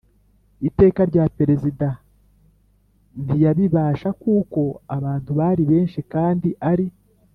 Iteka rya perezida ntiyabibasha kuko abantu bari benshi kandi ari